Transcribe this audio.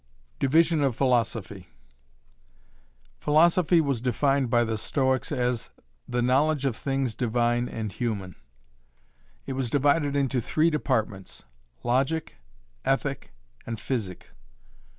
DIVISION OF PHILOSOPHY. Philosophy was defined by the Stoics as 'the knowledge of things divine and human'. It was divided into three departments; logic, ethic, and physic.